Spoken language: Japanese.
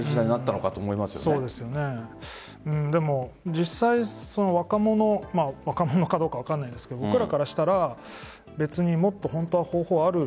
実際若者かどうか分からないですが僕らからしたらもっと方法がある。